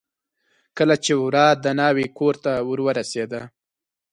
کله چې ورا د ناوې کورته ور ورسېده.